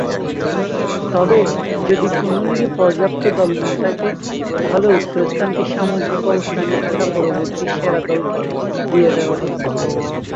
তবে, যদি কোন লীগে পর্যাপ্ত দল না থাকে, তাহলে উক্ত স্থানটি সামগ্রিক অবস্থানে থাকা পরবর্তী সেরা দলকে দিয়ে দেওয়া হতো।